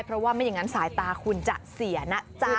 อย่างนั้นสายตาคุณจะเสียนะจ๊ะ